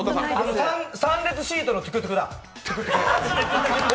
３列シートのトゥクトゥクだ。